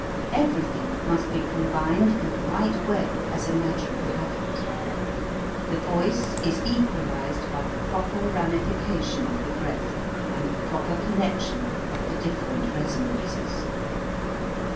Everything must be combined in the right way as a matter of habit. The voice is equalized by the proper rami fication of the breath and the proper connec tion of the different resonances.